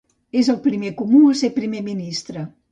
És el primer comú a ser Primer ministre.